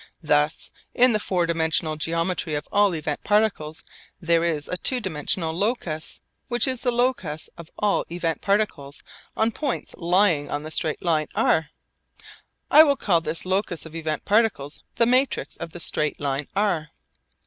Thus in the four dimensional geometry of all event particles there is a two dimensional locus which is the locus of all event particles on points lying on the straight line r. I will call this locus of event particles the matrix of the straight line r.